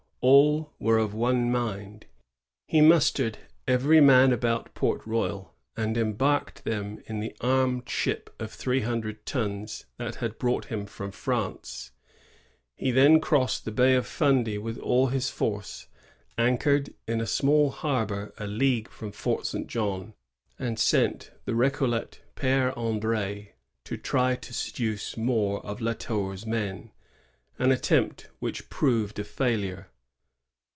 All were of one mind. He mus tered every man about Port Royal and embarked them in the armed ship of three hundred tons that had brought him from France; he then crossed the Bay of Fundy with all his force, anchored in a small harbor a league from Fort St. Jean, and sent the Rtfcollet Pdre Andr^ to try to seduce more of La Tour's men, — an attempt which proved a failure.